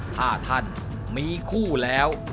ถ้าท่านมีคู่แล้ว